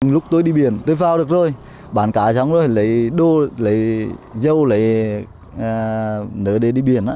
lúc tôi đi biển tôi vào được rồi bán cá chóng rồi lấy đô lấy dâu lấy nửa để đi biển